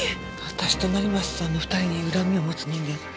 私と成増さんの２人に恨みを持つ人間。